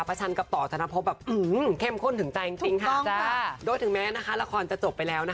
ประชันกับต่อธนพพเข้มข้นถึงใจจริงโดยถึงแม้ละครจะจบไปแล้ว